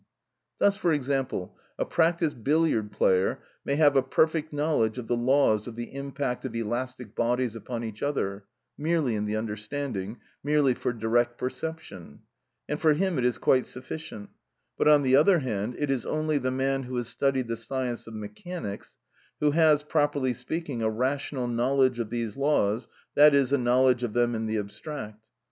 Thus, for example, a practised billiard player may have a perfect knowledge of the laws of the impact of elastic bodies upon each other, merely in the understanding, merely for direct perception; and for him it is quite sufficient; but on the other hand it is only the man who has studied the science of mechanics, who has, properly speaking, a rational knowledge of these laws, that is, a knowledge of them in the abstract.